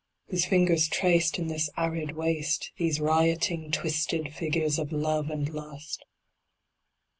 Whose fingers traced, In this arid waste, These rioting, twisted, figures of love and lust.